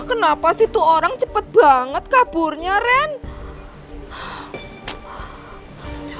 kenapa sih tuh orang cepet banget kaburnya randy